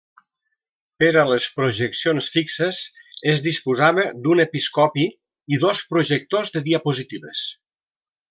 Per a les projeccions fixes, es disposava d'un episcopi, i dos projectors de diapositives.